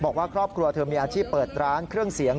บอกว่าครอบครัวเธอมีอาชีพเปิดร้านเครื่องเสียง